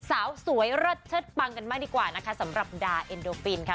สาวสวยเลิศเชิดปังกันมากดีกว่านะคะสำหรับดาเอ็นโดฟินค่ะ